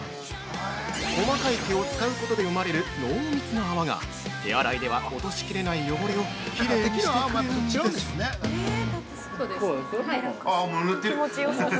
◆細かい毛を使うことで生まれる濃密な泡が、手洗いでは落としきれない汚れをきれいにしてくれるんです。